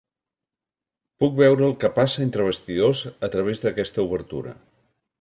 Puc veure el que passa entre bastidors a través d'aquesta obertura!